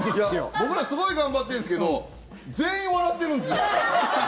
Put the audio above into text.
僕らすごい頑張ってるんですけど全員笑ってるんですよ。